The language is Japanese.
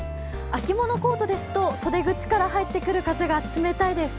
秋物コートですと袖口から入ってくる風が冷たいです。